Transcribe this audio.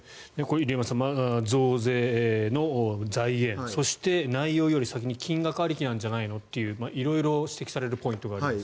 入山さん、増税の財源そして内容より先に金額ありきなんじゃないのと色々、指摘されるポイントがあります。